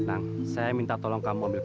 aku sudah berhenti